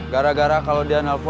gara gara kalau dia nelfon